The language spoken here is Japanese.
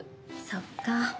そっか。